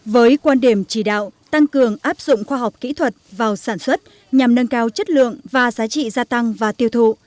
với quan điểm chỉ đạo tăng cường áp dụng khoa học kỹ thuật vào sản xuất nhằm nâng cao chất lượng và giá trị gia tăng và tiêu thụ